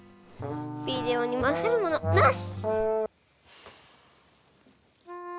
ビデオにまさるものなし！